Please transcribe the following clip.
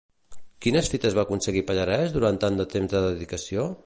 Quines fites va aconseguir Pallarès durant tant de temps de dedicació?